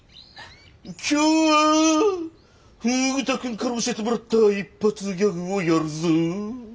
今日はフグ田くんから教えてもらった一発ギャグをやるぞ。